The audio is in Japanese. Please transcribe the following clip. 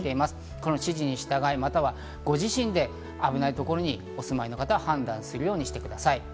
この指示に従い、ご自身で危ないところにお住まいの方は判断するようにしてください。